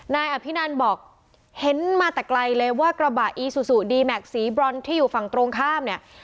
นายอภินันบอกเห็นมาแต่ไกลเลยว่ากระบะอีซูซูดีแม็กซีบรอนที่อยู่ฝั่งตรงข้ามเนี่ย